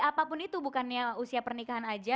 apapun itu bukannya usia pernikahan aja